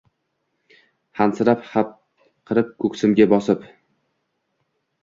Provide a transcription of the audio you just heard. Hansirab, hapriqib ko‘ksimga bosib